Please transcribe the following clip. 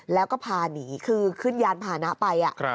แล้วก็พาหนีคือขึ้นยานพานะไป